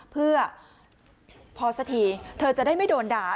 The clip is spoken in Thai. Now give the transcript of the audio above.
เพื่อพอสักทีเธอจะได้ไม่โดนด่า